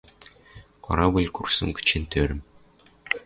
Корабль курсым кычен тӧрӹм.